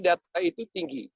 data itu tinggi